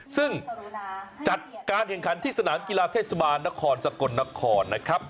ซึ่งจัดการแข่งขันที่สนามกีฬาเทศบาลนครสกลนครนะครับ